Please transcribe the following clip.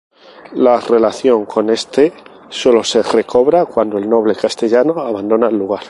La relación con este solo se recobra cuando el noble castellano abandona el lugar.